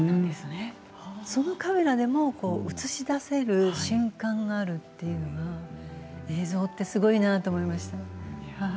そのカメラでも映し出せる瞬間があるというのは映像とすごいなと思いました。